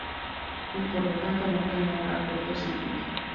Y por lo tanto no generara corto circuito.